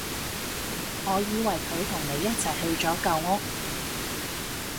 我以為佢同你一齊去咗舊屋